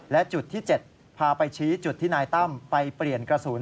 และจุดที่๗พาไปชี้จุดที่นายตั้มไปเปลี่ยนกระสุน